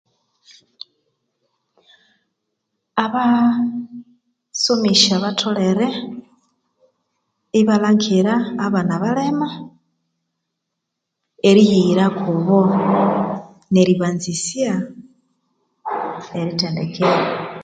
Abaaasomesya batholere ibalhangira abana abalema eriyihirakubo neribanzisya erithendekero